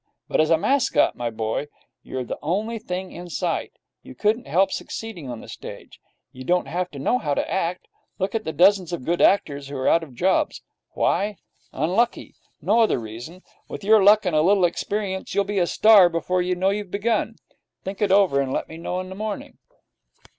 But as a mascot my boy, you're the only thing in sight. You can't help succeeding on the stage. You don't have to know how to act. Look at the dozens of good actors who are out of jobs. Why? Unlucky. No other reason. With your luck and a little experience you'll be a star before you know you've begun. Think it over, and let me know in the morning.'